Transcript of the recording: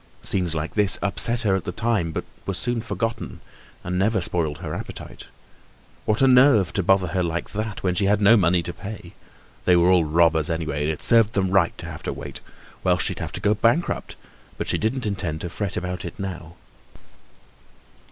Scenes like this upset her at the time, but were soon forgotten and never spoiled her appetite. What a nerve to bother her like that when she had no money to pay. They were all robbers anyway and it served them right to have to wait. Well, she'd have to go bankrupt, but she didn't intend to fret about it now.